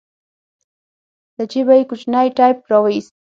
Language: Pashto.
له جيبه يې کوچنى ټېپ راوايست.